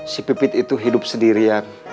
si pipit itu hidup sendirian